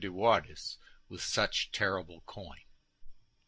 de Wardes with such terrible coin.